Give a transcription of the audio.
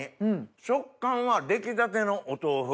食感は出来たてのお豆腐。